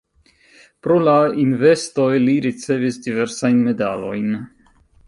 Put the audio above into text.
Pro la investoj li ricevis diversajn medalojn.